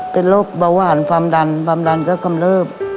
เป็นโรคเบาหวานความดันความดันก็กำเริบ